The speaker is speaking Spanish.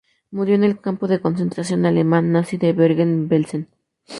Murió en el campo de concentración alemán nazi de Bergen-Belsen.